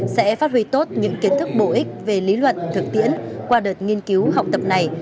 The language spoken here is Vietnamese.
sẽ phát huy tốt những kiến thức bổ ích về lý luận thực tiễn qua đợt nghiên cứu học tập này